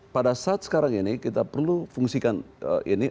pada saat sekarang ini kita perlu fungsikan ini